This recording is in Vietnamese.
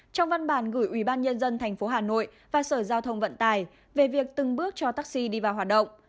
trong văn bản gửi ubnd tp hà nội và sở giao thông vận tải về việc từng bước cho taxi đi vào hoạt động